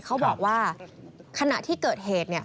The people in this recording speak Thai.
เขาบอกว่าขณะที่เกิดเหตุ